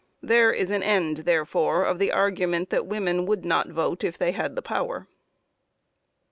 There is an end, therefore, of the argument that women would not vote if they had the power.'"